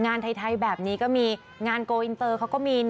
งานไทยแบบนี้ก็มีงานโกอินเตอร์เขาก็มี